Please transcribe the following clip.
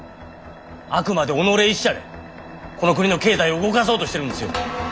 あくまで己一社でこの国の経済を動かそうとしてるんですよ。